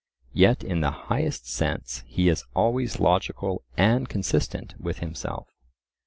Yet in the highest sense he is always logical and consistent with himself.